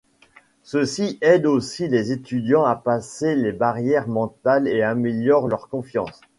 Ceci aide aussi les étudiants à passer les barrières mentales et améliore leur confiance.